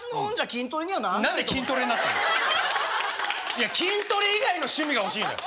いや筋トレ以外の趣味が欲しいのよ。